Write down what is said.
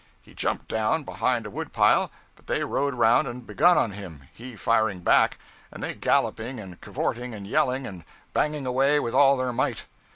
He jumped down behind a wood pile, but they rode around and begun on him, he firing back, and they galloping and cavorting and yelling and banging away with all their might.